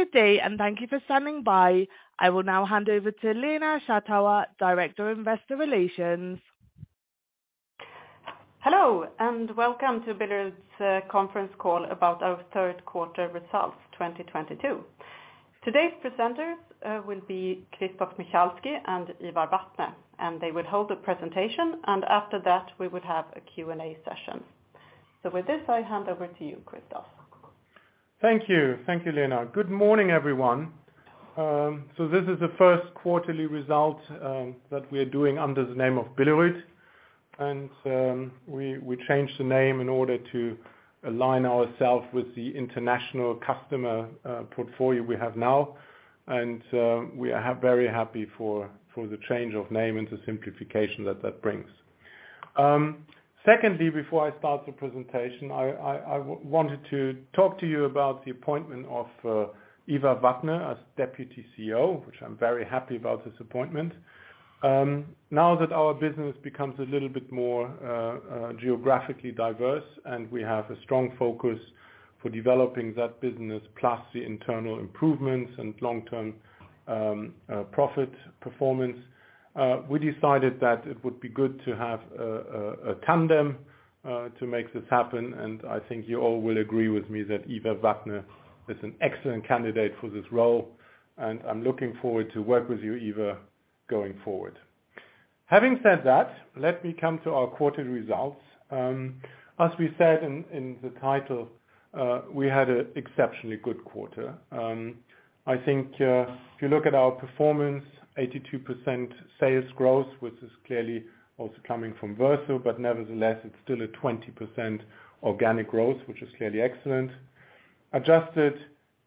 Good day, and thank you for standing by. I will now hand over to Lena Schattauer, Director of Investor Relations. Hello, and welcome to Billerud's conference call about our Q3 results, 2022. Today's presenters will be Christoph Michalski and Ivar Vatne, and they will hold the presentation, and after that we will have a Q&A session. With this, I hand over to you, Christoph. Thank you. Thank you, Lena. Good morning, everyone. This is the Q1ly result that we are doing under the name of Billerud. We changed the name in order to align ourself with the international customer portfolio we have now. We are very happy for the change of name and the simplification that brings. Secondly, before I start the presentation, I wanted to talk to you about the appointment of Ivar Vatne as Deputy CEO, which I'm very happy about this appointment. Now that our business becomes a little bit more geographically diverse, and we have a strong focus for developing that business, plus the internal improvements and long-term profit performance, we decided that it would be good to have a tandem to make this happen, and I think you all will agree with me that Ivar Vatne is an excellent candidate for this role. I'm looking forward to work with you, Ivar, going forward. Having said that, let me come to our quarter results. As we said in the title, we had an exceptionally good quarter. I think if you look at our performance, 82% sales growth, which is clearly also coming from Verso, but nevertheless, it's still a 20% organic growth, which is clearly excellent. Adjusted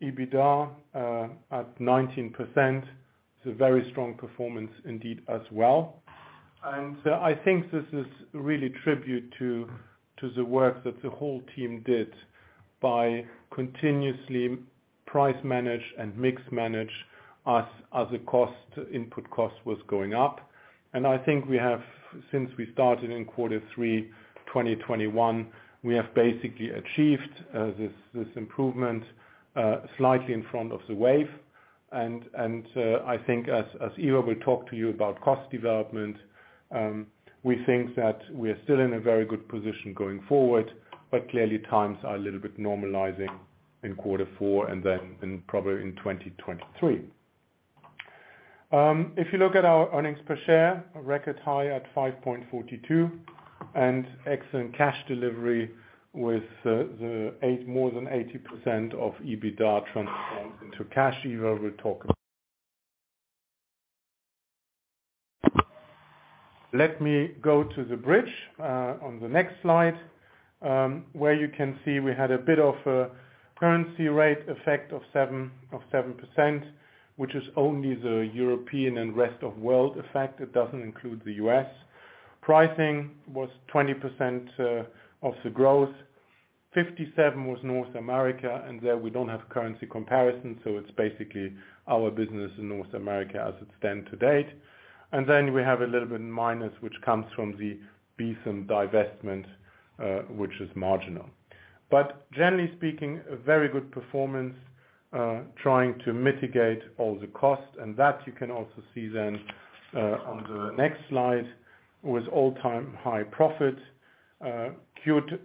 EBITDA at 19%. It's a very strong performance indeed as well. I think this is really tribute to the work that the whole team did by continuously price manage and mix manage as the cost, input cost was going up. I think we have, since we started in Q3 2021, we have basically achieved this improvement slightly in front of the wave. I think as Ivar will talk to you about cost development, we think that we're still in a very good position going forward, but clearly times are a little bit normalizing in Q4 and then probably in 2023. If you look at our earnings per share, a record high at 5.42, and excellent cash delivery with more than 80% of EBITDA transformed into cash. Ivar will talk. Let me go to the bridge on the next slide, where you can see we had a bit of a currency rate effect of 7%, which is only the European and rest of world effect. It doesn't include the US. Pricing was 20% of the growth. 57% was North America, and there we don't have currency comparison, so it's basically our business in North America as it stands to date. Then we have a little bit minus, which comes from the Beetham divestment, which is marginal. Generally speaking, a very good performance trying to mitigate all the costs. That you can also see then on the next slide, with all-time high profit.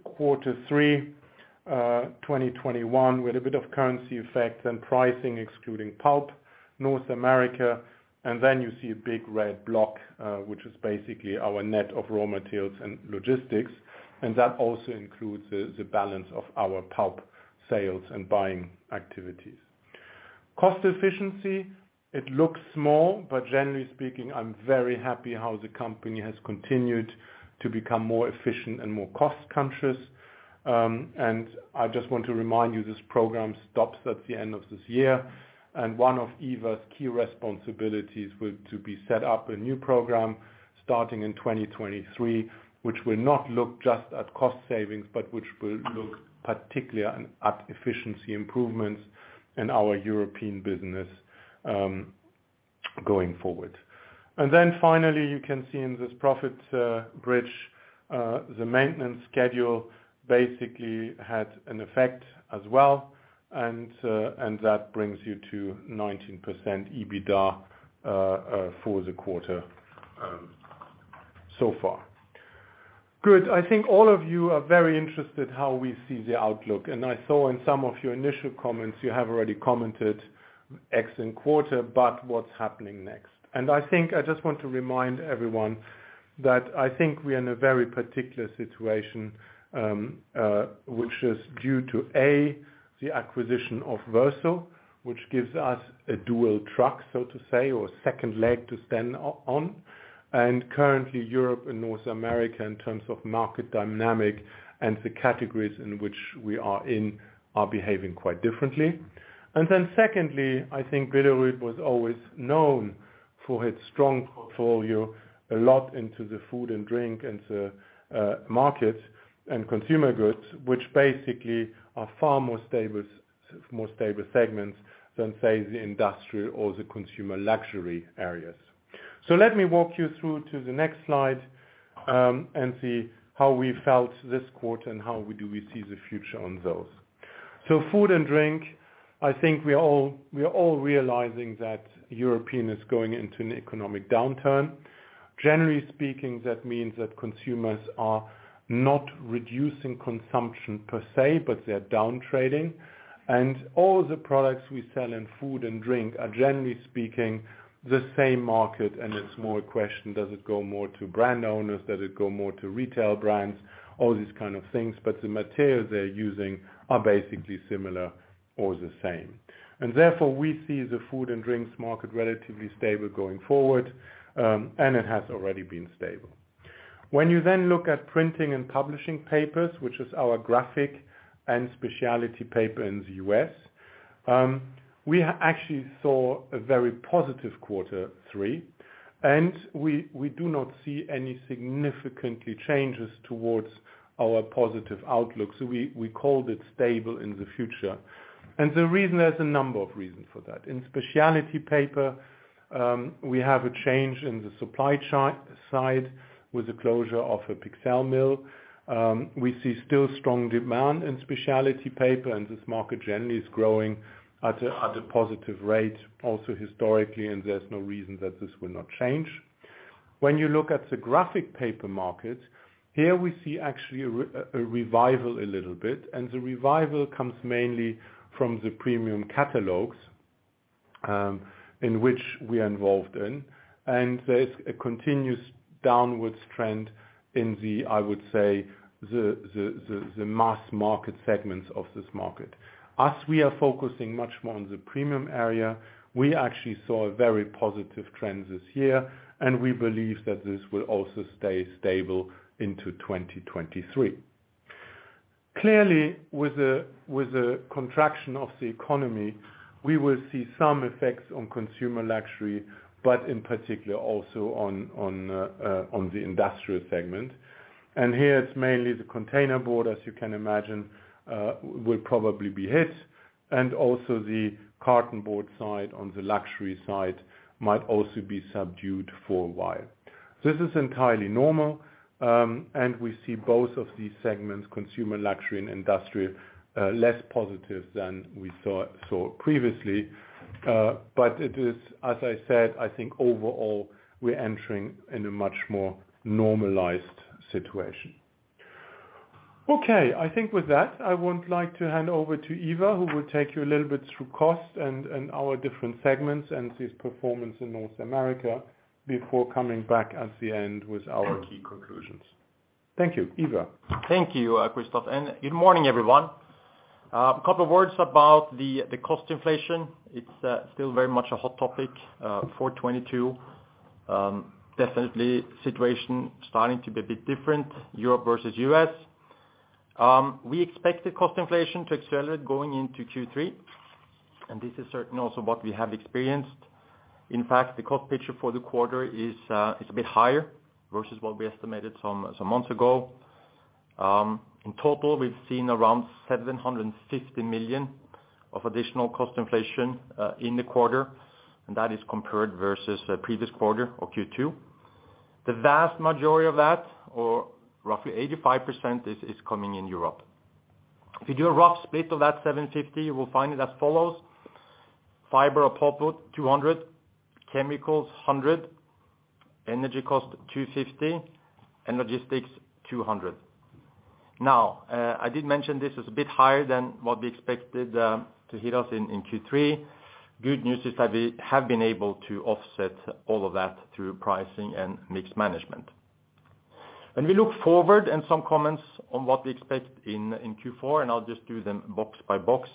Quarter three 2021, we had a bit of currency effect and pricing, excluding pulp. North America, and then you see a big red block, which is basically our net of raw materials and logistics, and that also includes the balance of our pulp sales and buying activities. Cost efficiency, it looks small, but generally speaking, I'm very happy how the company has continued to become more efficient and more cost-conscious. I just want to remind you this program stops at the end of this year. One of Ivar's key responsibilities will to be set up a new program starting in 2023, which will not look just at cost savings, but which will look particularly at efficiency improvements in our European business, going forward. Finally, you can see in this profit bridge, the maintenance schedule basically had an effect as well. that brings you to 19% EBITDA for the quarter so far. Good. I think all of you are very interested how we see the outlook. I saw in some of your initial comments, you have already commented excellent quarter, but what's happening next? I think I just want to remind everyone that I think we are in a very particular situation, which is due to a, the acquisition of Verso, which gives us a dual track, so to say, or second leg to stand on. Currently, Europe and North America, in terms of market dynamic and the categories in which we are in, are behaving quite differently. Secondly, I think Billerud was always known for its strong portfolio, a lot into the food and drink and markets and consumer goods, which basically are far more stable more stable segments than, say, the industrial or the consumer luxury areas. Let me walk you through to the next slide and see how we fared this quarter and how we see the future on those. Food and drink, I think we are all realizing that Europe is going into an economic downturn. Generally speaking, that means that consumers are not reducing consumption per se, but they're downtrading. All the products we sell in food and drink are generally speaking, the same market and it's more a question, does it go more to brand owners? Does it go more to retail brands? All these kind of things, but the materials they're using are basically similar or the same. Therefore, we see the food and drinks market relatively stable going forward, and it has already been stable. When you then look at printing and publishing papers, which is our graphic and specialty paper in the US, we actually saw a very positive quarter three. We do not see any significant changes towards our positive outlook. We called it stable in the future. The reason, there's a number of reasons for that. In specialty paper, we have a change in the supply side with the closure of a Pixelle mill. We see still strong demand in specialty paper, and this market generally is growing at a positive rate also historically, and there's no reason that this will not change. When you look at the graphic paper market, here we see actually a revival a little bit, and the revival comes mainly from the premium catalogs, in which we are involved in. There's a continuous downwards trend in the, I would say, mass market segments of this market. As we are focusing much more on the premium area, we actually saw very positive trends this year, and we believe that this will also stay stable into 2023. Clearly, with the contraction of the economy, we will see some effects on consumer luxury, but in particular also on the industrial segment. Here, it's mainly the containerboard, as you can imagine, will probably be hit. Also the cartonboard side on the luxury side might also be subdued for a while. This is entirely normal, and we see both of these segments, consumer luxury and industrial, less positive than we thought saw previously. It is, as I said, I think overall, we're entering in a much more normalized situation. Okay. I think with that, I would like to hand over to Ivar, who will take you a little bit through cost and our different segments and his performance in North America before coming back at the end with our key conclusions. Thank you. Ivar? Thank you, Christoph, and good morning, everyone. Couple words about the cost inflation. It's still very much a hot topic for 2022. Definitely situation starting to be a bit different, Europe versus US. We expect the cost inflation to accelerate going into Q3, and this is certainly also what we have experienced. In fact, the cost picture for the quarter is a bit higher versus what we estimated some months ago. In total, we've seen around 750 million of additional cost inflation in the quarter, and that is compared versus the previous quarter of Q2. The vast majority of that, or roughly 85%, is coming in Europe. If you do a rough split of that 750, you will find it as follows. Fiber or pulpwood, 200 million, chemicals, 100 million, energy cost, 250 million, and logistics, 200 million. Now, I did mention this is a bit higher than what we expected, to hit us in Q3. Good news is that we have been able to offset all of that through pricing and mixed management. When we look forward and some comments on what we expect in Q4, and I'll just do them box by box,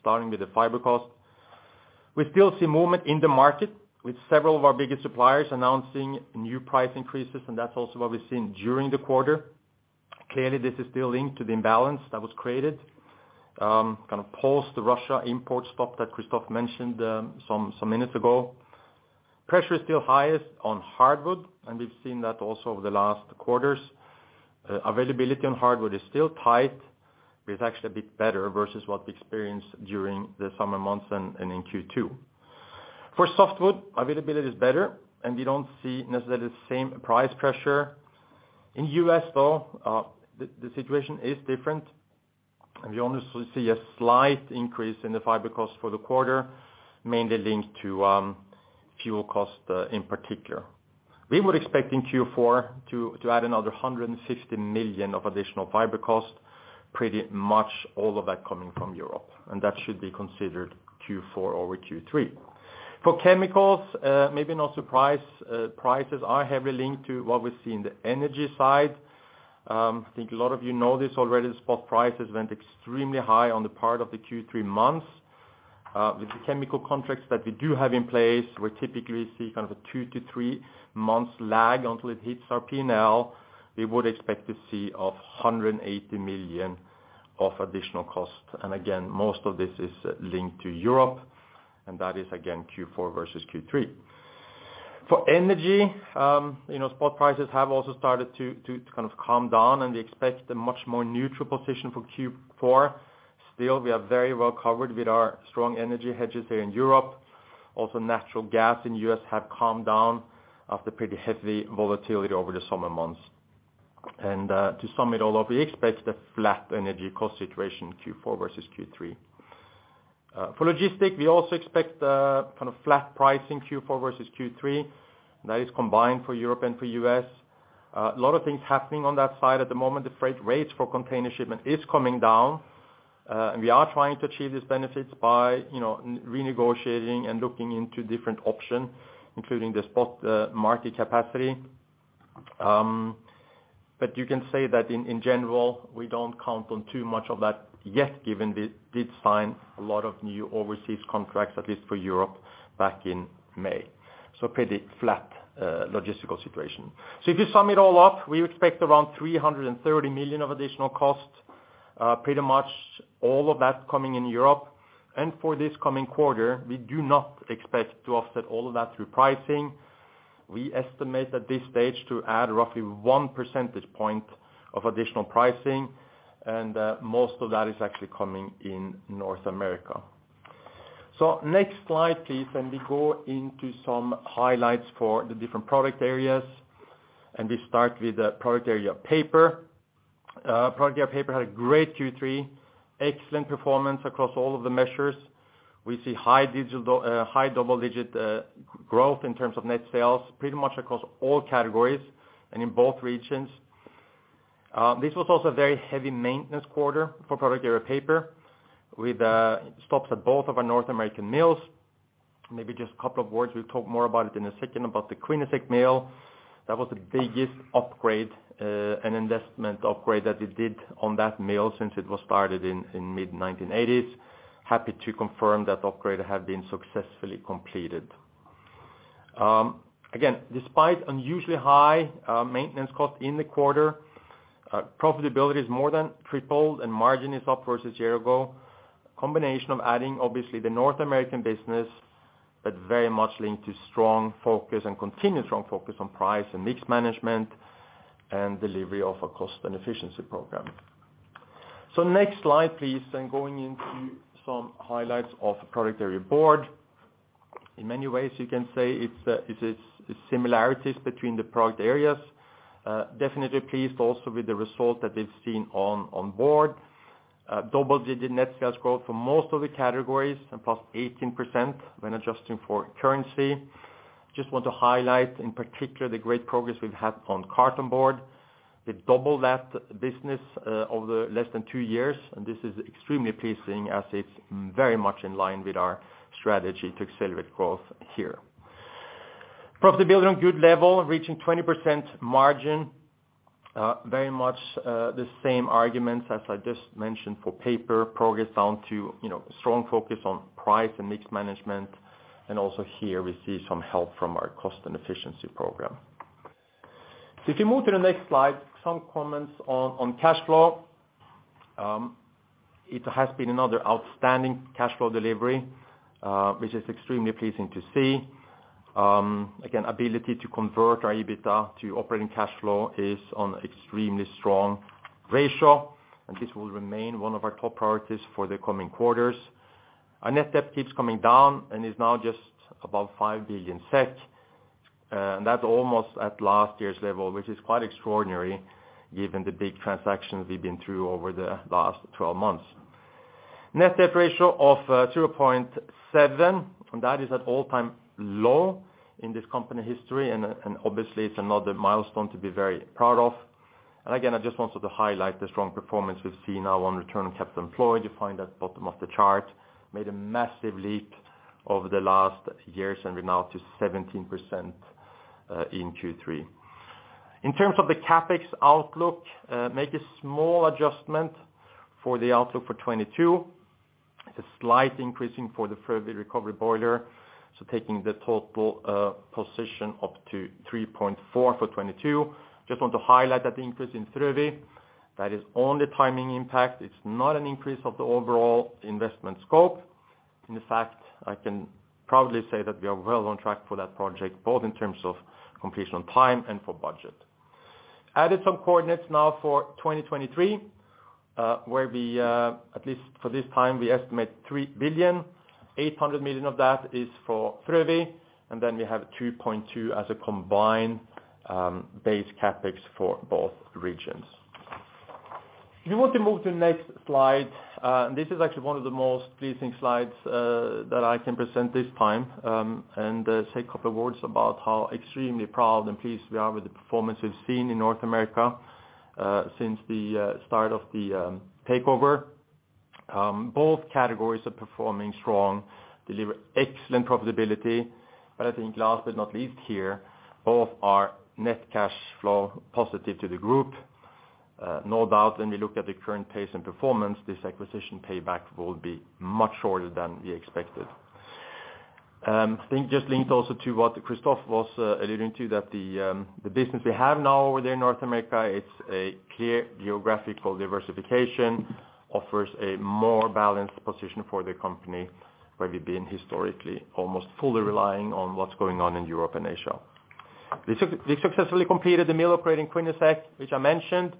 starting with the fiber cost. We still see movement in the market with several of our biggest suppliers announcing new price increases, and that's also what we've seen during the quarter. Clearly, this is still linked to the imbalance that was created, kind of post the Russia import stop that Christoph mentioned, some minutes ago. Pressure is still highest on hardwood, and we've seen that also over the last quarters. Availability on hardwood is still tight, but it's actually a bit better versus what we experienced during the summer months and in Q2. For softwood, availability is better, and we don't see necessarily the same price pressure. In U.S. though, the situation is different, and we honestly see a slight increase in the fiber cost for the quarter, mainly linked to fuel cost in particular. We were expecting Q4 to add another 150 million of additional fiber cost, pretty much all of that coming from Europe, and that should be considered Q4 over Q3. For chemicals, maybe not a surprise, prices are heavily linked to what we see in the energy side. Think a lot of you know this already, the spot prices went extremely high during part of the Q3 months. With the chemical contracts that we do have in place, we typically see kind of a 2-3 months lag until it hits our P&L. We would expect to see 180 million of additional cost. Again, most of this is linked to Europe, and that is again Q4 versus Q3. For energy spot prices have also started to kind of calm down, and we expect a much more neutral position for Q4. Still, we are very well covered with our strong energy hedges here in Europe. Natural gas in US have calmed down after pretty heavy volatility over the summer months. To sum it all up, we expect a flat energy cost situation in Q4 versus Q3. For logistics, we also expect kind of flat pricing Q4 versus Q3. That is combined for Europe and for US. A lot of things happening on that side at the moment. The freight rates for container shipment is coming down, and we are trying to achieve these benefits by renegotiating and looking into different option, including the spot market capacity. You can say that in general, we don't count on too much of that yet, given we did sign a lot of new overseas contracts, at least for Europe, back in May. Pretty flat logistical situation. If you sum it all up, we expect around 330 million of additional costs, pretty much all of that coming in Europe. For this coming quarter, we do not expect to offset all of that through pricing. We estimate at this stage to add roughly one percentage point of additional pricing, and most of that is actually coming in North America. Next slide, please, and we go into some highlights for the different product areas. We start with the product area paper. Product area paper had a great Q3. Excellent performance across all of the measures. We see high double-digit growth in terms of net sales, pretty much across all categories and in both regions. This was also a very heavy maintenance quarter for product area paper with stops at both of our North American mills. Maybe just a couple of words, we'll talk more about it in a second, about the Quinnesec mill. That was the biggest upgrade and investment upgrade that we did on that mill since it was started in mid-1980s. Happy to confirm that upgrade had been successfully completed. Again, despite unusually high maintenance costs in the quarter, profitability has more than tripled and margin is up versus a year ago. Combination of adding obviously the North American business, but very much linked to strong focus and continued strong focus on price and mix management and delivery of our cost and efficiency program. Next slide, please, and going into some highlights of product area board. In many ways, you can say it is similarities between the product areas. Definitely pleased also with the result that we've seen on board. Double-digit net sales growth for most of the categories, and +18% when adjusting for currency. Just want to highlight in particular the great progress we've had on cartonboard. We've doubled that business over less than two years, and this is extremely pleasing as it's very much in line with our strategy to accelerate growth here. Profitability on good level, reaching 20% margin. Very much the same arguments as I just mentioned for paper progress down to strong focus on price and mix management. Also here we see some help from our cost and efficiency program. If you move to the next slide, some comments on cash flow. It has been another outstanding cash flow delivery, which is extremely pleasing to see. Again, ability to convert our EBITDA to operating cash flow is on extremely strong ratio, and this will remain one of our top priorities for the coming quarters. Our net debt keeps coming down and is now just above 5 billion SEK. That's almost at last year's level, which is quite extraordinary given the big transactions we've been through over the last 12 months. Net debt ratio of 2.7, and that is at all-time low in this company history, and obviously it's another milestone to be very proud of. Again, I just wanted to highlight the strong performance we see now on return on capital employed. You'll find that at the bottom of the chart. Made a massive leap over the last years and we're now at 17% in Q3. In terms of the CapEx outlook, make a small adjustment for the outlook for 2022. It's a slight increase for the Frövi recovery boiler, so taking the total position up to 3.4 for 2022. Just want to highlight that increase in Frövi. That is only timing impact. It's not an increase of the overall investment scope. In fact, I can proudly say that we are well on track for that project, both in terms of completion on time and for budget. Added some coordinates now for 2023, where we, at least for this time, we estimate 3 billion. 800 million of that is for Frövi, and then we have 2.2 as a combined, base CapEx for both regions. If you want to move to the next slide, this is actually one of the most pleasing slides, that I can present this time, and say a couple words about how extremely proud and pleased we are with the performance we've seen in North America, since the start of the takeover. Both categories are performing strong, deliver excellent profitability. I think last but not least here, both are net cash flow positive to the group. No doubt when we look at the current pace and performance, this acquisition payback will be much shorter than we expected. I think it's just linked also to what Christoph was alluding to, that the business we have now over there in North America, it's a clear geographical diversification, offers a more balanced position for the company, where we've been historically almost fully relying on what's going on in Europe and Asia. We successfully completed the mill operating in Quinnesec, which I mentioned.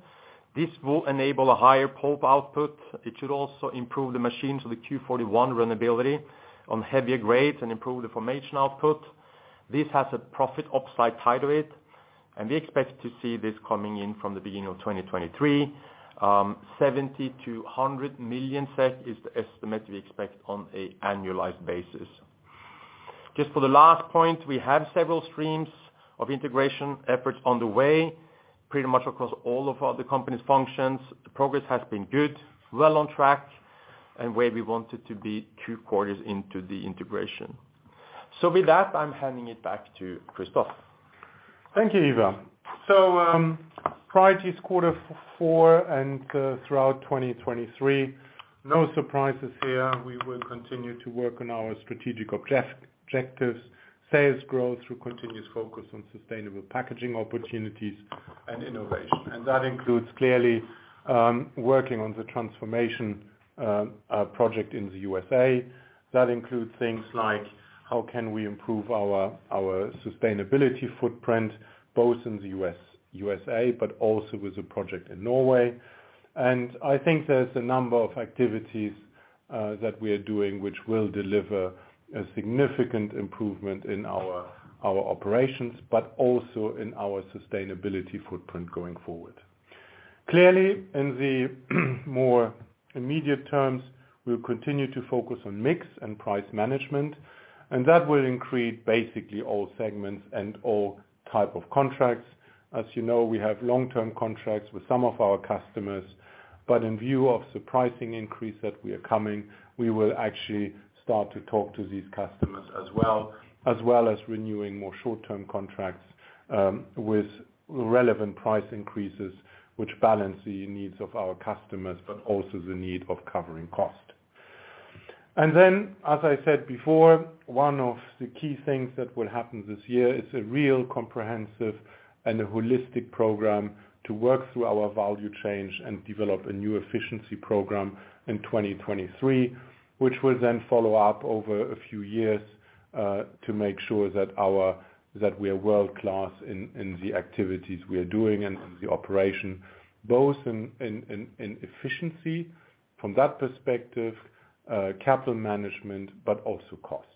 This will enable a higher pulp output. It should also improve the machine's Q41 runnability on heavier grades and improve the formation output. This has a profit upside tied to it, and we expect to see this coming in from the beginning of 2023. 70-100 million SEK is the estimate we expect on an annualized basis. Just for the last point, we have several streams of integration efforts on the way, pretty much across all of the company's functions. The progress has been good, well on track and where we wanted to be two quarters into the integration. With that, I'm handing it back to Christoph. Thank you, Ivar. Priorities quarter four and throughout 2023, no surprises here. We will continue to work on our strategic objectives, sales growth through continuous focus on sustainable packaging opportunities and innovation. That includes clearly working on the transformation project in the USA. That includes things like how can we improve our sustainability footprint, both in the USA, but also with a project in Norway. I think there's a number of activities that we are doing which will deliver a significant improvement in our operations, but also in our sustainability footprint going forward. Clearly, in the more immediate terms, we'll continue to focus on mix and price management, and that will increase basically all segments and all type of contracts. As we have long-term contracts with some of our customers, but in view of the pricing increase that we are coming, we will actually start to talk to these customers as well as renewing more short-term contracts with relevant price increases which balance the needs of our customers, but also the need of covering cost. Then, as I said before, one of the key things that will happen this year is a real comprehensive and a holistic program to work through our value chain and develop a new efficiency program in 2023, which will then follow up over a few years to make sure that we are world-class in the activities we are doing and in the operation, both in efficiency from that perspective, capital management, but also cost.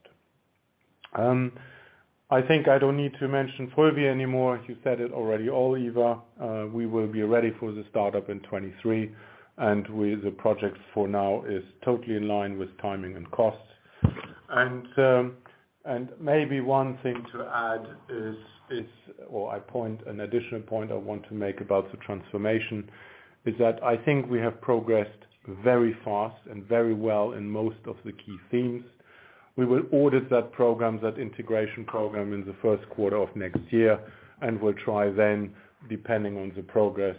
I think I don't need to mention Frövi anymore. You said it already all, Ivar. We will be ready for the startup in 2023, and the project for now is totally in line with timing and costs. Maybe one thing to add is or a point, an additional point I want to make about the transformation is that I think we have progressed very fast and very well in most of the key themes. We will audit that program, that integration program in the Q1 of next year, and we'll try then, depending on the progress,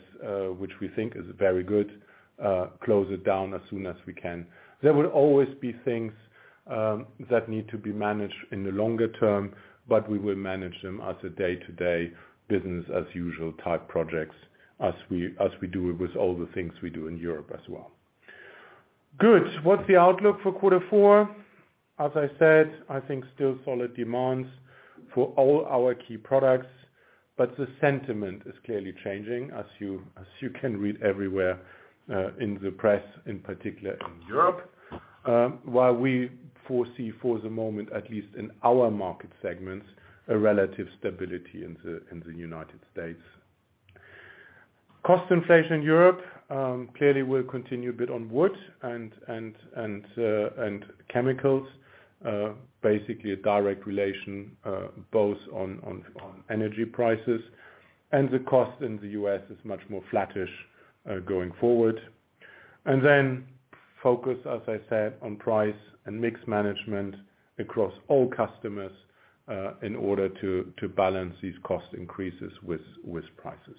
which we think is very good, close it down as soon as we can. There will always be things that need to be managed in the longer term, but we will manage them as a day-to-day business as usual type projects as we do with all the things we do in Europe as well. Good. What's the outlook for quarter four? As I said, I think still solid demands for all our key products, but the sentiment is clearly changing, as you can read everywhere in the press, in particular in Europe, while we foresee for the moment, at least in our market segments, a relative stability in the United States. Cost inflation in Europe clearly will continue a bit on wood and chemicals, basically a direct relation both on energy prices, and the cost in the U.S. is much more flattish going forward. Focus, as I said, on price and mix management across all customers, in order to balance these cost increases with prices.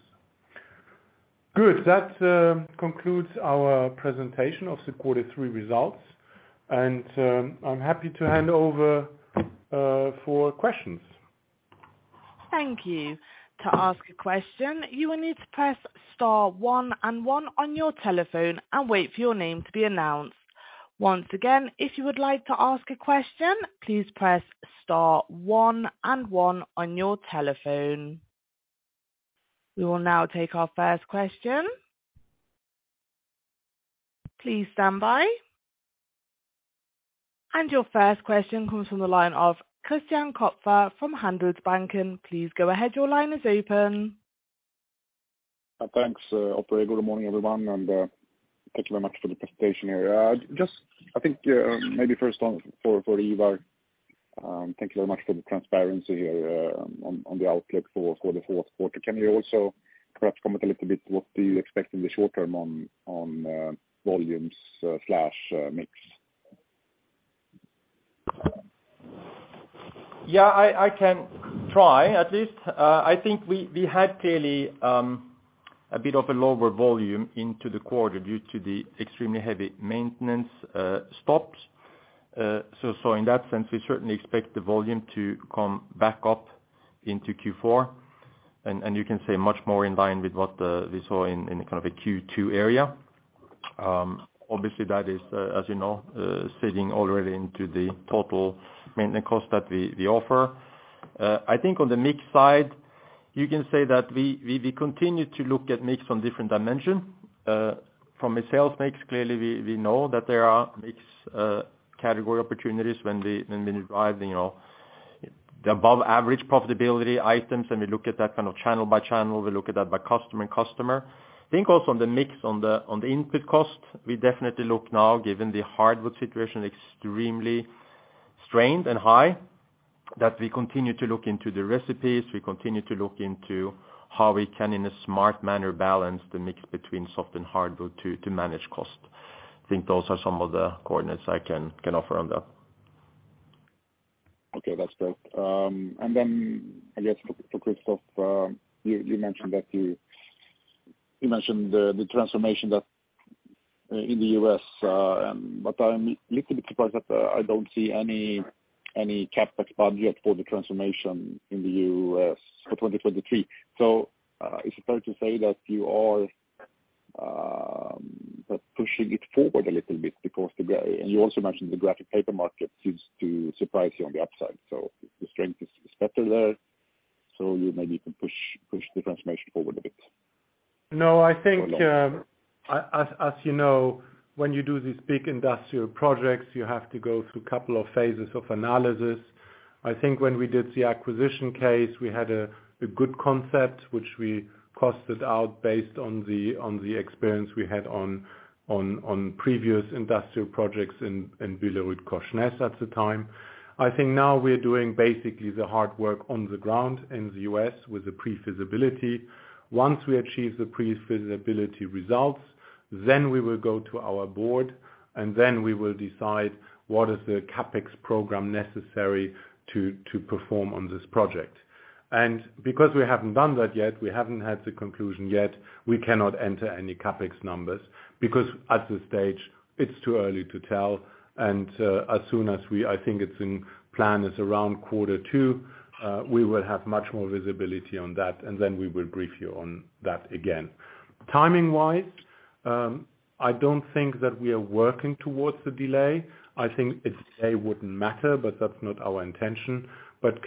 Good. That concludes our presentation of the quarter three results, and I'm happy to hand over for questions. Thank you. To ask a question, you will need to press star one and one on your telephone and wait for your name to be announced. Once again, if you would like to ask a question, please press star one and one on your telephone. We will now take our first question. Please stand by. Your first question comes from the line of Christian Kopfer from Handelsbanken. Please go ahead. Your line is open. Thanks, operator. Good morning, everyone, and thank you very much for the presentation here. Just I think, maybe first one for Ivar, thank you very much for the transparency here, on the outlook for the Q4. Can you also perhaps comment a little bit, what do you expect in the short term on volumes slash mix? Yeah, I can try at least. I think we had clearly a bit of a lower volume in the quarter due to the extremely heavy maintenance stops. In that sense, we certainly expect the volume to come back up into Q4, and you can say much more in line with what we saw in kind of a Q2 era. Obviously that is, as sitting already into the total maintenance cost that we offer. I think on the mix side, you can say that we continue to look at mix from different dimension. From a sales mix, clearly we know that there are mix category opportunities when we derive the above average profitability items and we look at that kind of channel by channel, we look at that by customer. I think also on the mix on the input cost, we definitely look now given the hardwood situation extremely strained and high, that we continue to look into the recipes, we continue to look into how we can, in a smart manner, balance the mix between softwood and hardwood to manage cost. I think those are some of the coordinates I can offer on that. Okay, that's great. Then I guess for Christoph, you mentioned the transformation in the US, but I'm little bit surprised that I don't see any CapEx budget for the transformation in the US for 2023. Is it fair to say that you are pushing it forward a little bit because, and you also mentioned the graphic paper market seems to surprise you on the upside. The strength is better there, so you maybe can push the transformation forward a bit. No, I think, as when you do these big industrial projects, you have to go through couple of Phases of analysis. I think when we did the acquisition case, we had a good concept which we costed out based on the experience we had on previous industrial projects in BillerudKorsnäs at the time. I think now we're doing basically the hard work on the ground in the U.S. with the pre-feasibility. Once we achieve the pre-feasibility results, then we will go to our board, and then we will decide what is the CapEx program necessary to perform on this project. Because we haven't done that yet, we haven't had the conclusion yet, we cannot enter any CapEx numbers because at this stage it's too early to tell. As soon as we, I think it's in plan is around quarter two, we will have much more visibility on that and then we will brief you on that again. Timing-wise, I don't think that we are working towards the delay. I think a delay wouldn't matter, but that's not our intention.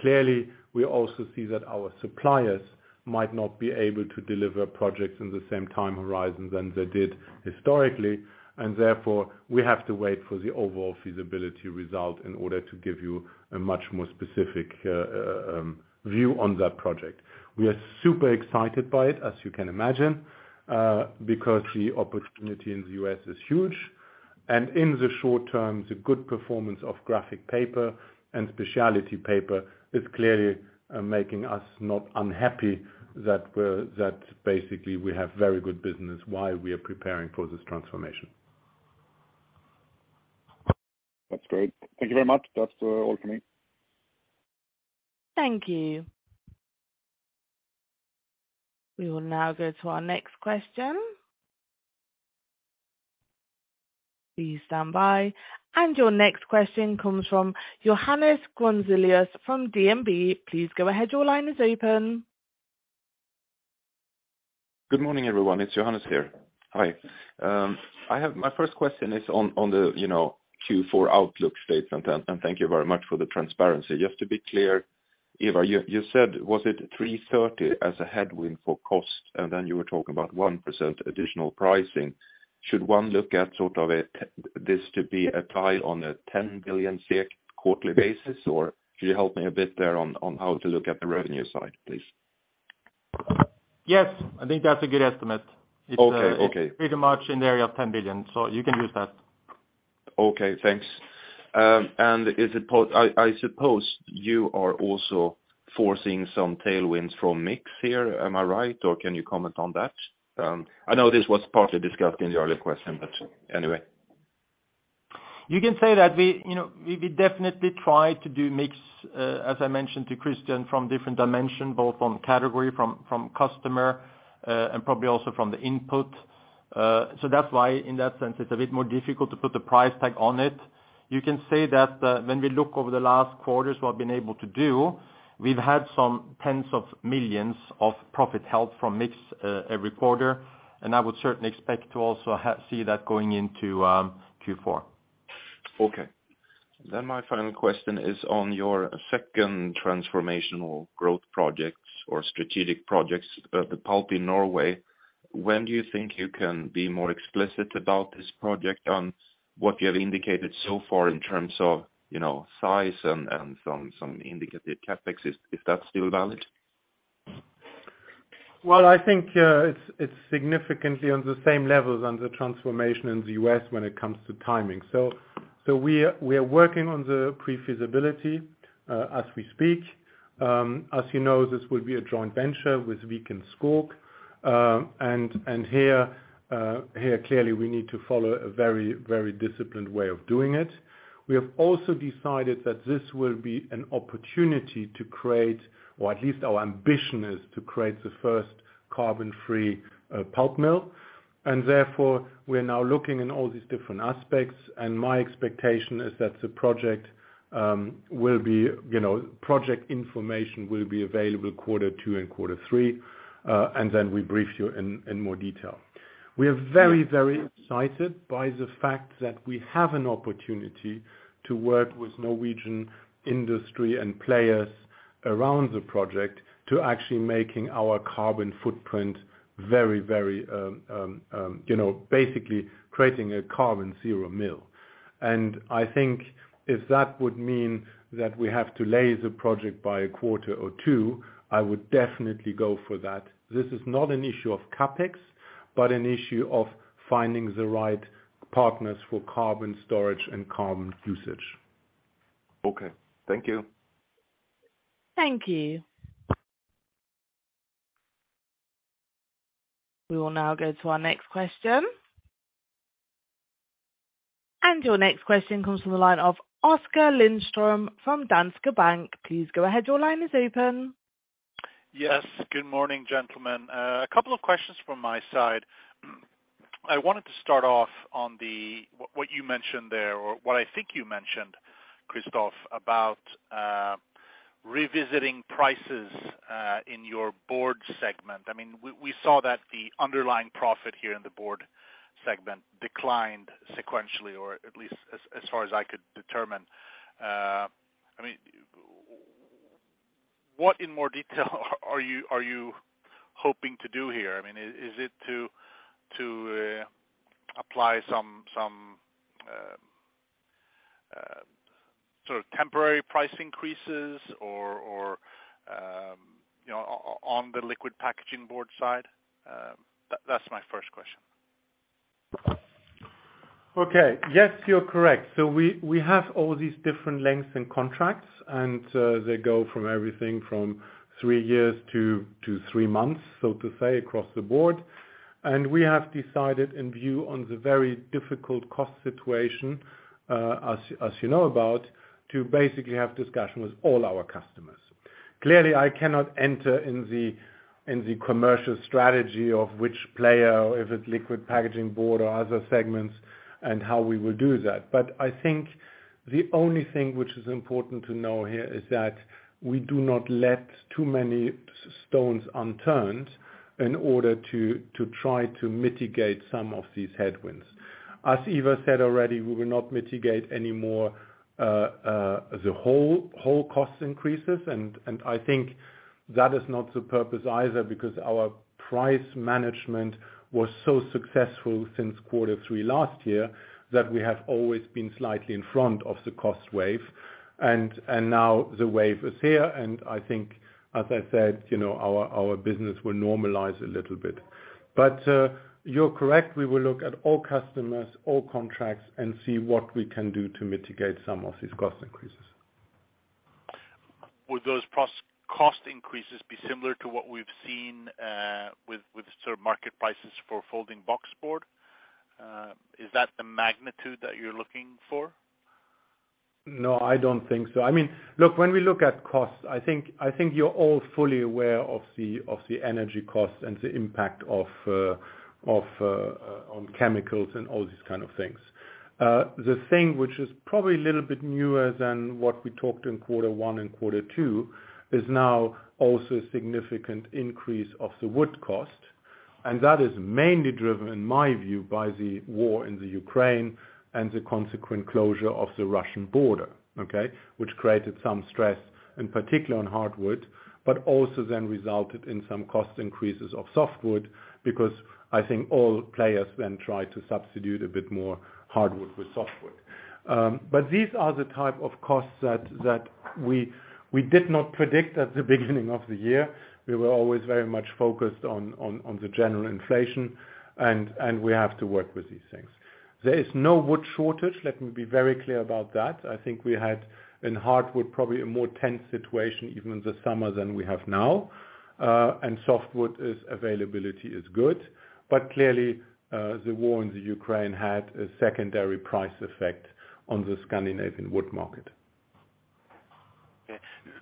Clearly, we also see that our suppliers might not be able to deliver projects in the same time horizon than they did historically, and therefore we have to wait for the overall feasibility result in order to give you a much more specific view on that project. We are super excited by it, as you can imagine, because the opportunity in the US is huge. In the short term, the good performance of graphic paper and specialty paper is clearly making us not unhappy that basically we have very good business while we are preparing for this transformation. That's great. Thank you very much. That's all for me. Thank you. We will now go to our next question. Please stand by. Your next question comes from Johannes Grunselius from SB1 Markets. Please go ahead. Your line is open. Good morning, everyone. It's Johannes here. Hi. I have my first question is on the you know Q4 outlook statement, and thank you very much for the transparency. Just to be clear, Ivar, you said, was it 330 as a headwind for cost, and then you were talking about 1% additional pricing. Should one look at sort of this to be applied on a 10 billion quarterly basis? Or could you help me a bit there on how to look at the revenue side, please? Yes. I think that's a good estimate. Okay. Okay. It's pretty much in the area of 10 billion, so you can use that. Okay, thanks. I suppose you are also foresee some tailwinds from mix here. Am I right? Or can you comment on that? I know this was partly discussed in the earlier question, but anyway. You can say that we definitely try to do mix, as I mentioned to Christian, from different dimension, both from category, from customer, and probably also from the input. That's why in that sense it's a bit more difficult to put the price tag on it. You can say that, when we look over the last quarters what we've been able to do, we've had some tens of millions SEK of profit help from mix, every quarter, and I would certainly expect to also see that going into Q4. Okay. My final question is on your second transformational growth projects or strategic projects, the pulp in Norway. When do you think you can be more explicit about this project on what you have indicated so far in terms of size and some indicated CapEx? Is that still valid? Well, I think it's significantly on the same levels as the transformation in the US when it comes to timing. We are working on the pre-feasibility as we speak. As this will be a joint venture with Viken Skog. Here clearly we need to follow a very disciplined way of doing it. We have also decided that this will be an opportunity to create, or at least our ambition is to create the first carbon free pulp mill. Therefore, we're now looking in all these different aspects, and my expectation is that project information will be available quarter two and quarter three, and then we brief you in more detail. We are very excited by the fact that we have an opportunity to work with Norwegian industry and players around the project to actually making our carbon footprint very basically creating a carbon zero mill. I think if that would mean that we have to delay the project by a quarter or two, I would definitely go for that. This is not an issue of CapEx, but an issue of finding the right partners for carbon storage and carbon usage. Okay. Thank you. Thank you. We will now go to our next question. Your next question comes from the line of Oskar Lindström from Danske Bank. Please go ahead. Your line is open. Yes. Good morning, gentlemen. A couple of questions from my side. I wanted to start off on the what you mentioned there or what I think you mentioned, Christoph, about revisiting prices in your board segment. I mean, we saw that the underlying profit here in the board segment declined sequentially, or at least as far as I could determine. I mean, what in more detail are you hoping to do here? I mean, is it to apply some sort of temporary price increases or you know on the liquid packaging board side? That's my first question. Okay. Yes, you're correct. We have all these different lengths and contracts, and they go from everything from three years to three months, so to say, across the board. We have decided in view of the very difficult cost situation, as you know about, to basically have discussion with all our customers. Clearly, I cannot enter into the commercial strategy in which we play, if it's liquid packaging board or other segments, and how we will do that. I think the only thing which is important to know here is that we do not leave too many stones unturned in order to try to mitigate some of these headwinds. As Ivar said already, we will not mitigate any more the whole cost increases. I think that is not the purpose either because our price management was so successful since quarter three last year, that we have always been slightly in front of the cost wave. Now the wave is here, and I think, as I said our business will normalize a little bit. You're correct. We will look at all customers, all contracts, and see what we can do to mitigate some of these cost increases. Would those cost increases be similar to what we've seen with sort of market prices for folding box board? Is that the magnitude that you're looking for? No, I don't think so. I mean, look, when we look at costs, I think you're all fully aware of the energy costs and the impact of on chemicals and all these kind of things. The thing which is probably a little bit newer than what we talked in quarter one and quarter two is now also a significant increase of the wood cost. That is mainly driven, in my view, by the war in the Ukraine and the consequent closure of the Russian border, okay? Which created some stress, in particular on hardwood, but also then resulted in some cost increases of softwood because I think all players then tried to substitute a bit more hardwood with softwood. These are the type of costs that we did not predict at the beginning of the year. We were always very much focused on the general inflation, and we have to work with these things. There is no wood shortage. Let me be very clear about that. I think we had in Hardwood probably a more tense situation even in the summer than we have now, and Softwood availability is good. But clearly, the war in Ukraine had a secondary price effect on the Scandinavian wood market. Okay.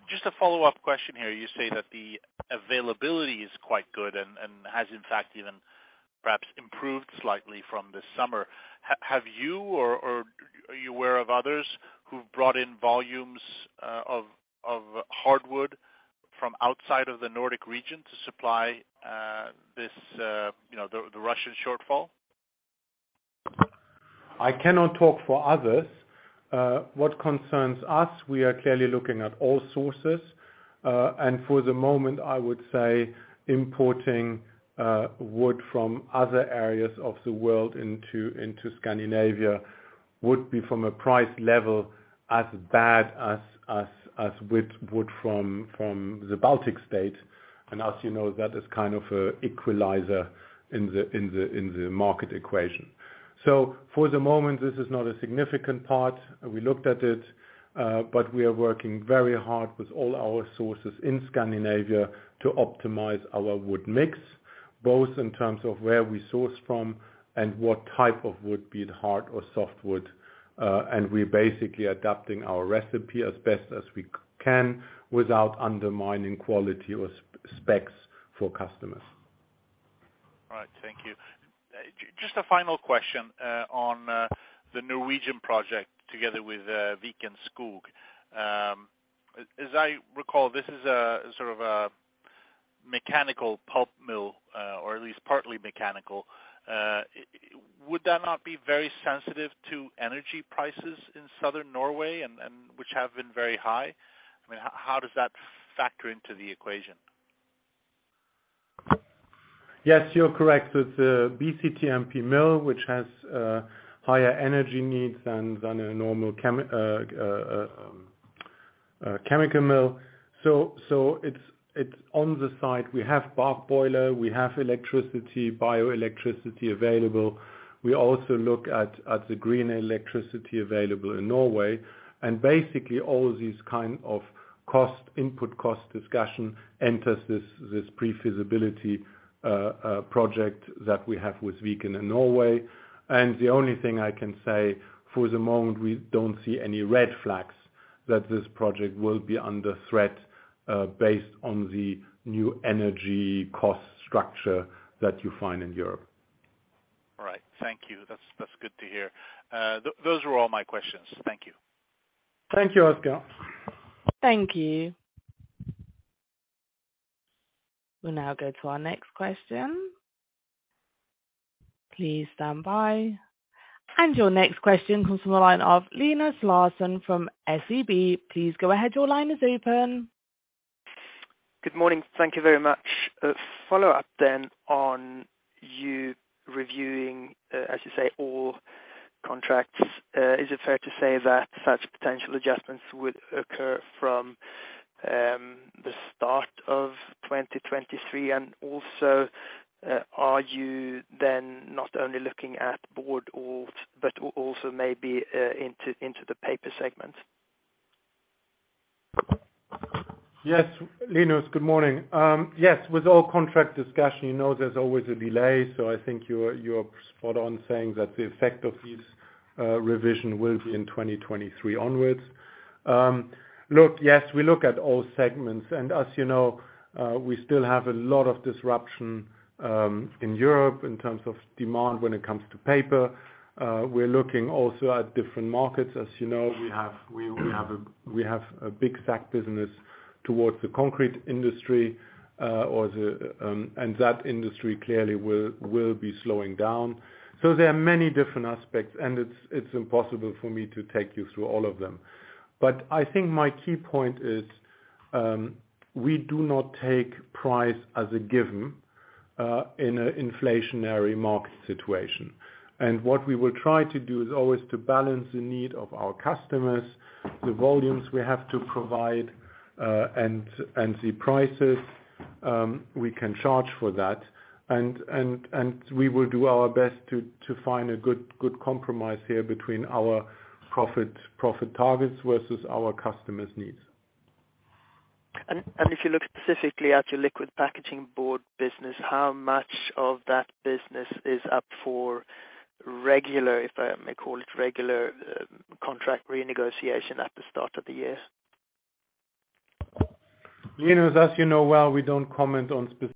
Just a follow-up question here. You say that the availability is quite good and has in fact even perhaps improved slightly from this summer. Have you or are you aware of others who've brought in volumes of hardwood from outside of the Nordic region to supply this you know the Russian shortfall? I cannot talk for others. What concerns us, we are clearly looking at all sources. For the moment, I would say importing wood from other areas of the world into Scandinavia would be from a price level as bad as with wood from the Baltic state. As that is kind of an equalizer in the market equation. For the moment, this is not a significant part. We looked at it, but we are working very hard with all our sources in Scandinavia to optimize our wood mix, both in terms of where we source from and what type of wood, be it hard or softwood. We're basically adapting our recipe as best as we can without undermining quality or specs for customers. All right. Thank you. Just a final question on the Norwegian project together with Viken Skog. As I recall, this is sort of a mechanical pulp mill, or at least partly mechanical. Would that not be very sensitive to energy prices in Southern Norway and which have been very high? I mean, how does that factor into the equation? Yes, you're correct. It's a BCTMP mill which has higher energy needs than a normal chemical mill. It's on the side. We have bark boiler, we have electricity, bioelectricity available. We also look at the green electricity available in Norway, and basically all these kind of input cost discussion enters this pre-feasibility project that we have with Viken in Norway. The only thing I can say, for the moment, we don't see any red flags that this project will be under threat based on the new energy cost structure that you find in Europe. All right. Thank you. That's good to hear. Those are all my questions. Thank you. Thank you, Oskar. Thank you. We'll now go to our next question. Please stand by. Your next question comes from the line of Linus Larsson from SEB. Please go ahead. Your line is open. Good morning. Thank you very much. A follow-up on you reviewing, as you say, all contracts. Is it fair to say that such potential adjustments would occur from the start of 2023? Are you then not only looking at board, but also maybe into the paper segment? Yes. Linus, good morning. Yes, with all contract discussion, you know there's always a delay, so I think you're spot on saying that the effect of these revision will be in 2023 onwards. Look, yes, we look at all segments, and as we still have a lot of disruption in Europe in terms of demand when it comes to paper. We're looking also at different markets. As we have a big sack business towards the concrete industry, and that industry clearly will be slowing down. There are many different aspects and it's impossible for me to take you through all of them. I think my key point is, we do not take price as a given in an inflationary market situation. What we will try to do is always to balance the need of our customers, the volumes we have to provide, and the prices we can charge for that. We will do our best to find a good compromise here between our profit targets versus our customers' needs. If you look specifically at your liquid packaging board business, how much of that business is up for regular, if I may call it, regular, contract renegotiation at the start of the year? Linus, as you know well, we don't comment on the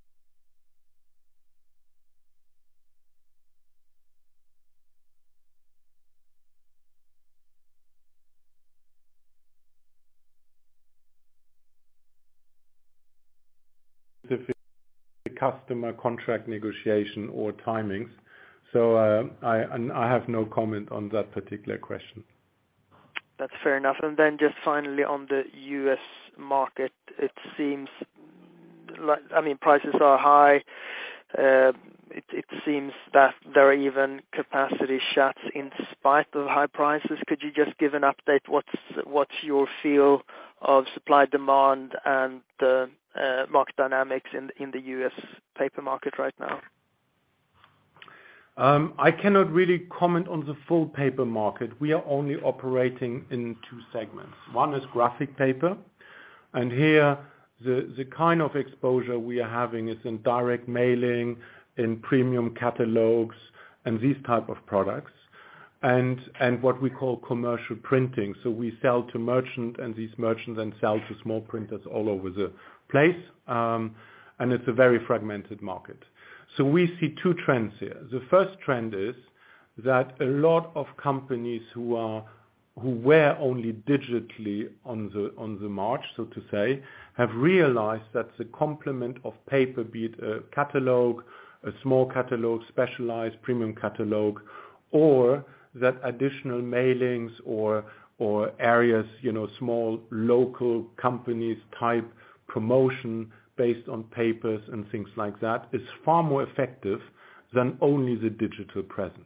customer contract negotiation or timings. I have no comment on that particular question. That's fair enough. Just finally on the US market, it seems like, I mean, prices are high. It seems that there are even capacity shuts in spite of high prices. Could you just give an update? What's your feel of supply, demand, and market dynamics in the US paper market right now? I cannot really comment on the full paper market. We are only operating in two segments. One is graphic paper, and here, the kind of exposure we are having is in direct mailing, in premium catalogs and these type of products, and what we call commercial printing. We sell to merchants, and these merchants then sell to small printers all over the place, and it's a very fragmented market. We see two trends here. The first trend is that a lot of companies who were only digitally on the march, so to say, have realized that the complement of paper, be it a catalog, a small catalog, specialized premium catalog, or that additional mailings or areas small local companies type promotion based on papers and things like that, is far more effective than only the digital presence.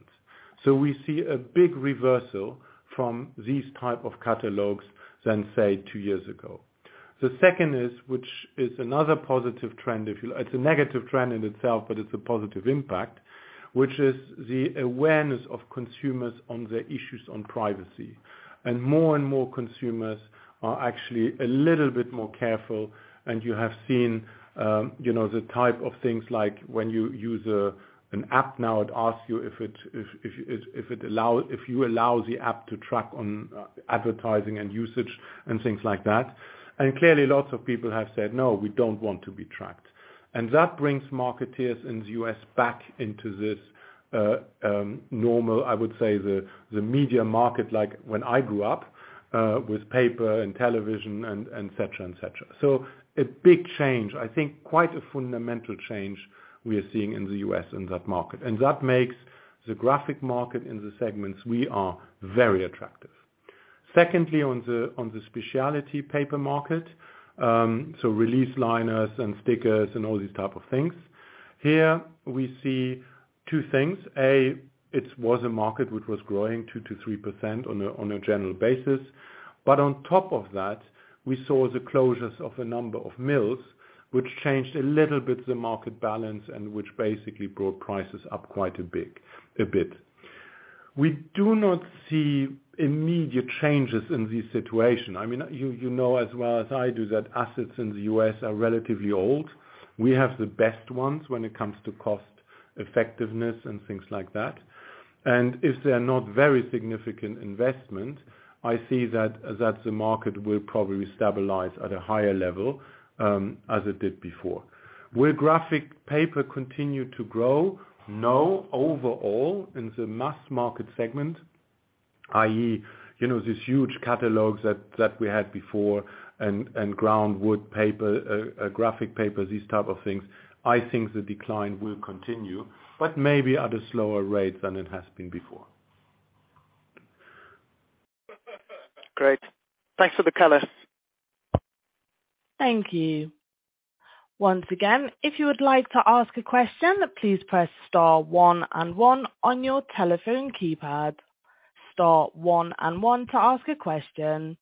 We see a big reversal from these type of catalogs than, say, two years ago. The second is, which is another positive trend. It's a negative trend in itself, but it's a positive impact, which is the awareness of consumers on the issues on privacy. More and more consumers are actually a little bit more careful, and you have seen the type of things like when you use an app now, it asks you if you allow the app to track on advertising and usage and things like that. Clearly lots of people have said, "No, we don't want to be tracked." That brings marketers in the US back into this normal, I would say the media market, like when I grew up with paper and television and such and such. A big change, I think quite a fundamental change we are seeing in the US in that market. That makes the graphic market in the segments we are very attractive. Secondly, on the specialty paper market, release liners and stickers and all these type of things. Here we see two things. A, it was a market which was growing 2%-3% on a general basis. On top of that, we saw the closures of a number of mills, which changed a little bit the market balance and which basically brought prices up quite a bit. We do not see immediate changes in this situation. I mean, you know as well as I do that assets in the U.S. are relatively old. We have the best ones when it comes to cost effectiveness and things like that. If they are not very significant investment, I see that the market will probably stabilize at a higher level, as it did before. Will graphic paper continue to grow? No. Overall, in the mass market segment, i.e. these huge catalogs that we had before and groundwood paper, graphic papers, these type of things, I think the decline will continue, but maybe at a slower rate than it has been before. Great. Thanks for the color. Thank you. Once again, if you would like to ask a question, please press star one and one on your telephone keypad. Star one and one to ask a question.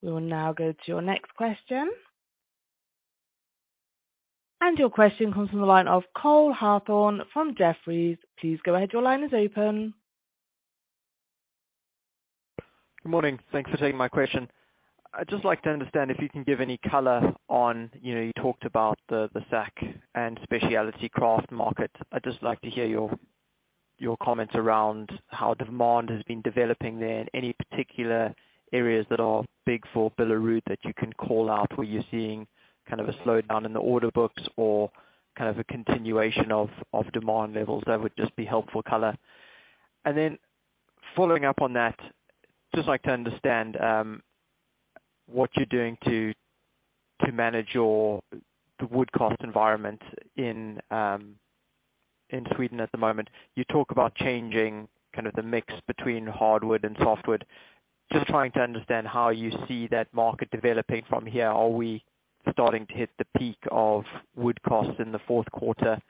We will now go to your next question. Your question comes from the line of Cole Hathorn from Jefferies. Please go ahead. Your line is open. Good morning. Thanks for taking my question. I'd just like to understand if you can give any color on you talked about the sack and specialty kraft market. I'd just like to hear your comments around how demand has been developing there, and any particular areas that are big for Billerud that you can call out where you're seeing kind of a slowdown in the order books or kind of a continuation of demand levels. That would just be helpful color. Following up on that, just like to understand what you're doing to manage the wood cost environment in Sweden at the moment. You talk about changing kind of the mix between hardwood and softwood. Just trying to understand how you see that market developing from here. Are we starting to hit the peak of wood costs in the Q4?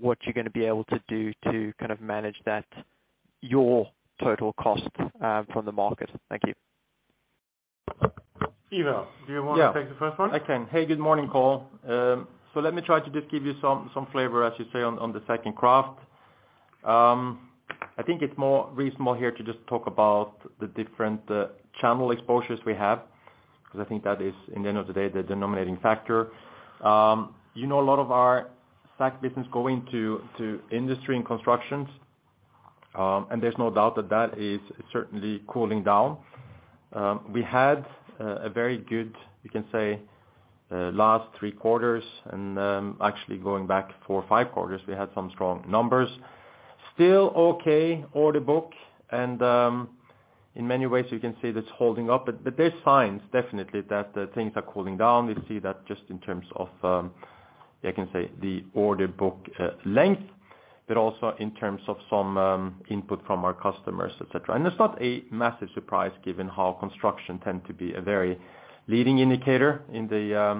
What you're going to be able to do to kind of manage that, your total cost, from the market. Thank you. Ivar, do you want to take the first one? Yeah. I can. Hey, good morning, Cole. So let me try to just give you some flavor, as you say, on the sack kraft. I think it's more reasonable here to just talk about the different channel exposures we have, because I think that is, at the end of the day, the determining factor. A lot of our sack business going to industry and construction, and there's no doubt that is certainly cooling down. We had a very good, we can say, last three quarters and, actually going back four, five quarters, we had some strong numbers. Still, okay order book, and in many ways you can say that's holding up. There's definite signs that things are cooling down. We see that just in terms of I can say the order book length, but also in terms of some input from our customers, et cetera. It's not a massive surprise given how construction tend to be a very leading indicator in the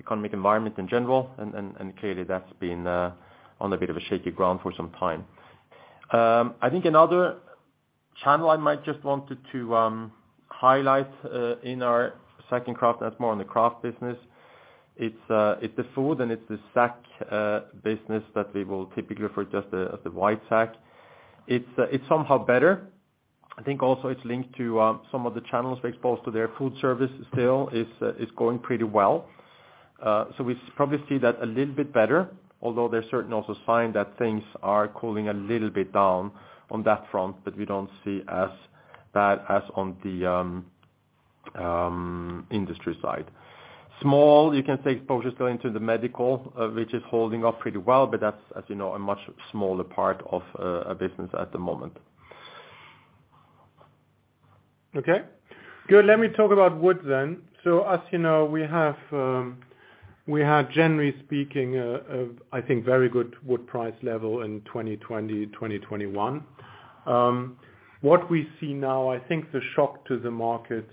economic environment in general, and clearly that's been on a bit of a shaky ground for some time. I think another channel I might just wanted to highlight in our sack and kraft, that's more on the kraft business. It's the food and sack business that we will typically refer to as the White Sack. It's somehow better. I think also it's linked to some of the channels we exposed to their food service still. It's going pretty well. We probably see that a little bit better, although there are also certain signs that things are cooling a little bit down on that front, but we don't see as bad as on the industry side. Small, you can say exposures going to the medical, which is holding up pretty well, but that's, as a much smaller part of our business at the moment. Okay. Good. Let me talk about wood then. As we had generally speaking, I think very good wood price level in 2020, 2021. What we see now, I think the shock to the market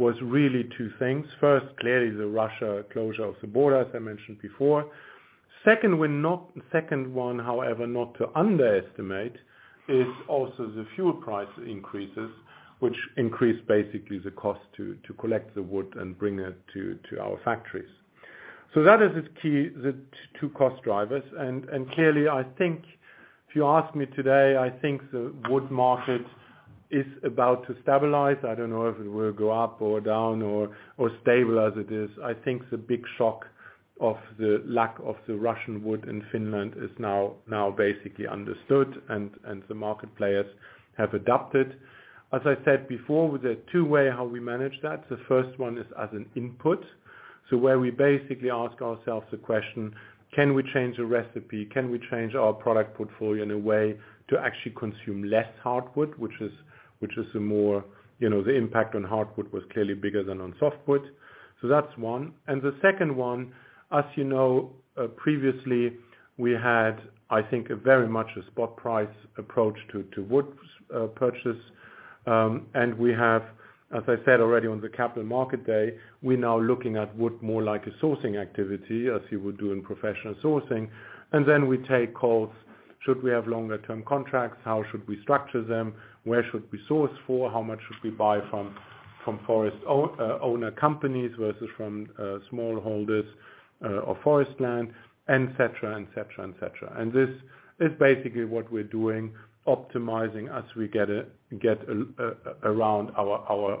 was really two things. First, clearly the Russian closure of the border, as I mentioned before. Second one, however, not to underestimate, is also the fuel price increases, which increase basically the cost to collect the wood and bring it to our factories. That is the key, the two cost drivers. Clearly I think if you ask me today, I think the wood market is about to stabilize. I don't know if it will go up or down or stable as it is. I think the big shock of the lack of the Russian wood in Finland is now basically understood and the market players have adapted. As I said before, there are two ways how we manage that. The first one is as an input. So where we basically ask ourselves the question: Can we change the recipe? Can we change our product portfolio in a way to actually consume less hardwood? Which is the more the impact on hardwood was clearly bigger than on softwood. So that's one. The second one, as previously we had, I think, very much a spot price approach to wood purchase. We have, as I said already on the Capital Markets Day, we're now looking at wood more like a sourcing activity, as you would do in professional sourcing. We take calls, should we have longer term contracts? How should we structure them? Where should we source for? How much should we buy from forest owner companies versus from small holders of forest land, and et cetera, et cetera, et cetera. This is basically what we're doing, optimizing as we get around our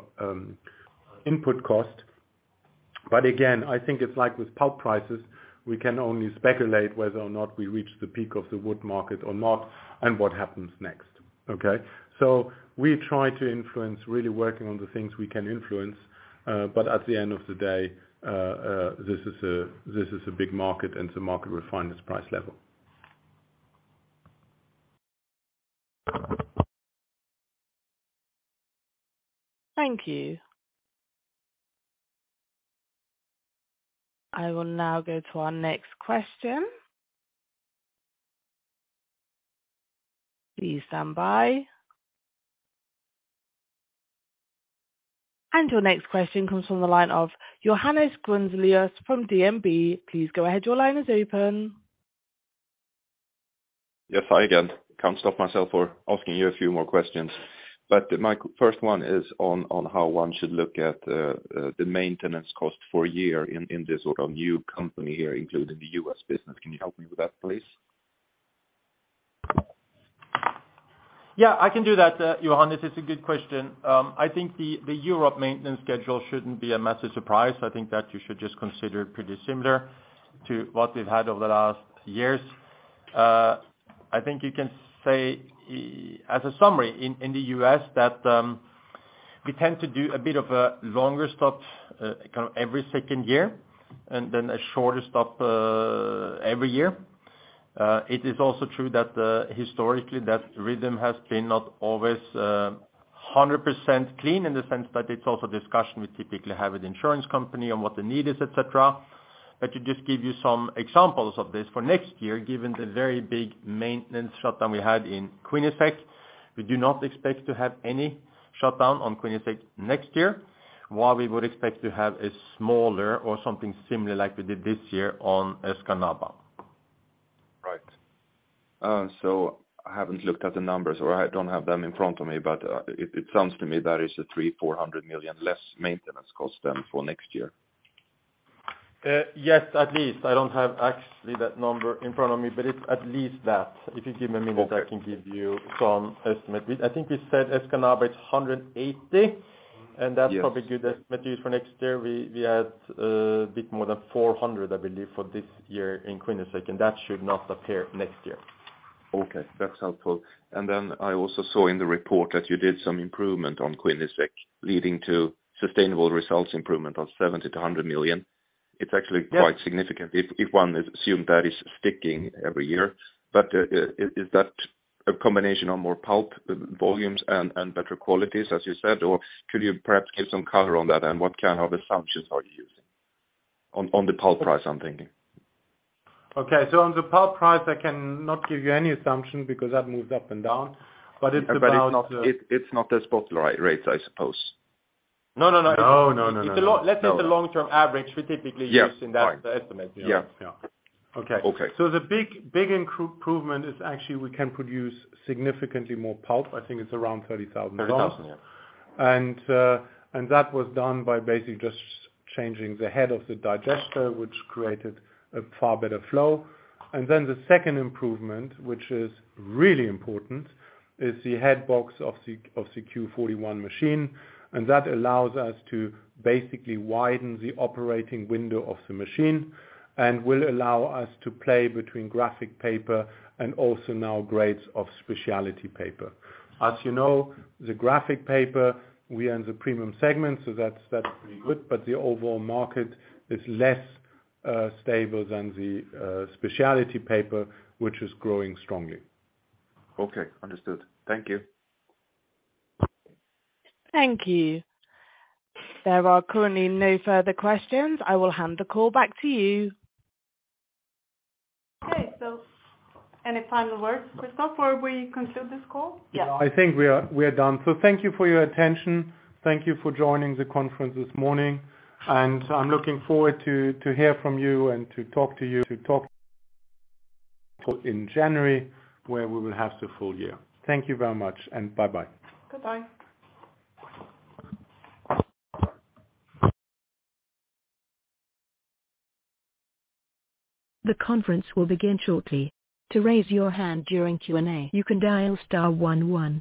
input cost. Again, I think it's like with pulp prices, we can only speculate whether or not we reach the peak of the wood market or not, and what happens next, okay? We try to influence really working on the things we can influence. At the end of the day, this is a big market, and the market will find its price level. Thank you. I will now go to our next question. Please stand by. Your next question comes from the line of Johannes Grunselius from SB1 Markets. Please go ahead. Your line is open. Yes. Hi again. Can't stop myself from asking you a few more questions. My first one is on how one should look at the maintenance cost for a year in this sort of new company here, including the U.S. business. Can you help me with that, please? Yeah, I can do that, Johannes. It's a good question. I think the Europe maintenance schedule shouldn't be a massive surprise. I think that you should just consider it pretty similar to what we've had over the last years. I think you can say as a summary, in the US that we tend to do a bit of a longer stop kind of every second year and then a shorter stop every year. It is also true that historically that rhythm has been not always hundred percent clean in the sense that it's also a discussion we typically have with insurance company on what the need is, et cetera. To just give you some examples of this. For next year, given the very big maintenance shutdown we had in Quinnesec, we do not expect to have any shutdown on Quinnesec next year, while we would expect to have a smaller or something similar like we did this year on Escanaba. I haven't looked at the numbers or I don't have them in front of me, but it sounds to me that is 300 million-400 million less maintenance cost than for next year. Yes, at least. I don't have actually that number in front of me, but it's at least that. If you give me a minute. Okay. I can give you some estimate. I think we said Escanaba is 180. Yes. That's probably a good estimate to use for next year. We had a bit more than 400, I believe, for this year in Quinnesec, and that should not appear next year. Okay, that's helpful. I also saw in the report that you did some improvement on Quinnesec leading to sustainable results improvement of 70 million-100 million. Yeah. It's actually quite significant if one assumes that is sticking every year. Is that a combination of more pulp volumes and better qualities, as you said? Could you perhaps give some color on that? What kind of assumptions are you using on the pulp price, I'm thinking? Okay. On the pulp price, I can not give you any assumption because that moves up and down. It's around It's not the spot rates, I suppose. No, no. No, no, no. Let's say the long-term average we typically. Yeah. use in that estimate. Yeah. Yeah. Okay. Okay. The big improvement is actually we can produce significantly more pulp. I think it's around 30,000 tons. 30,000, yeah. That was done by basically just changing the head of the digester, which created a far better flow. The second improvement, which is really important, is the headbox of the Q41 machine. That allows us to basically widen the operating window of the machine and will allow us to play between graphic paper and also now grades of specialty paper. As the graphic paper, we are in the premium segment, so that's pretty good. The overall market is less stable than the specialty paper, which is growing strongly. Okay, understood. Thank you. Thank you. There are currently no further questions. I will hand the call back to you. Okay. Any final words, Christoph, before we conclude this call? Yeah. No, I think we are done. Thank you for your attention. Thank you for joining the conference this morning, and I'm looking forward to hear from you and to talk to you in January, where we will have the full year. Thank you very much and bye-bye. Bye-bye. The conference will begin shortly. To raise your hand during Q&A, you can dial star one one.